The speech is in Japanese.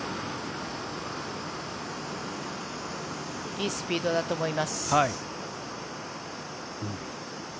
いいスピードだと思います。